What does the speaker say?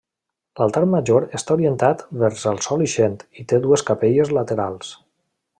L'altar major està orientat vers a sol ixent i té dues capelles laterals.